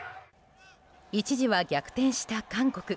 一時は逆転した韓国。